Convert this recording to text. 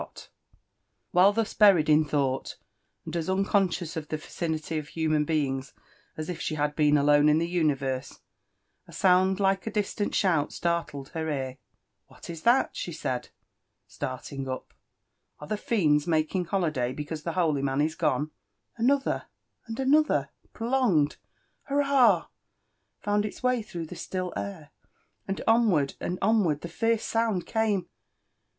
m UFE AND ADVENTURES OF While [hiu biirieil in rhought, and as unconscious oi the Ticioity othdman beings as ifalie had been alooo in the universe, a sound like B distant shoul slarlk'd her ear, "What is IhatT' said she, slarling up; "are (he fiends making holiday becaiiso Hie holy man is goni??" Another and anolht'r prolonged "hurrahl" fonnd ilsway Ihrough the still air, and onward and onward Ihe fierce sound came.